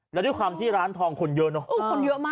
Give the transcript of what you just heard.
แล้วที่ความที่ร้านทองคนเยอะเนอะ